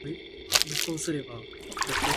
北港顯、土庫定